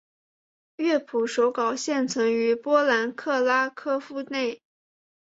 乐谱手稿现存于波兰克拉科夫内。